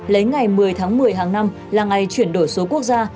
lấy ngày một mươi tháng một mươi hàng năm là ngày chuyển đổi số quốc gia